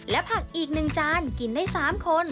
และผักอีก๑จานกินได้๓คน